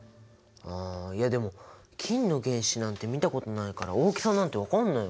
あいやでも金の原子なんて見たことないから大きさなんて分かんないよ。